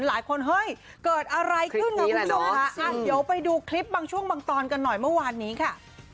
หลายคนเฮ้ยเกิดอะไรขึ้นกับว่าคุณผู้ชมค่ะ